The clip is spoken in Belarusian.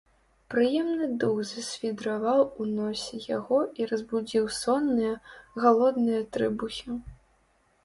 Прыемны дух засвідраваў у носе яго і разбудзіў сонныя, галодныя трыбухі.